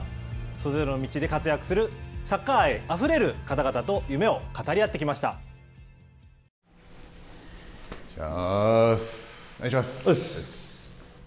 それぞれの道で活躍するサッカー愛あふれる方々と夢を語こんにちは。